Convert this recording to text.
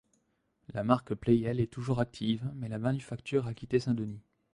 La marque Pleyel est toujours active, mais la manufacture a quitté Saint-Denis.